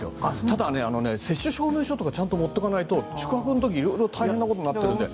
ただ、接種証明書とかをちゃんと持っていかないと宿泊の時いろいろ大変なことになるので。